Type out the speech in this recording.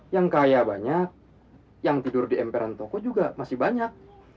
yang kaya banyak yang tidur di emperan toko juga masih banyak